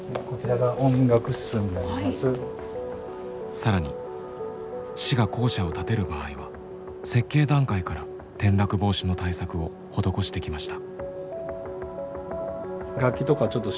更に市が校舎を建てる場合は設計段階から転落防止の対策を施してきました。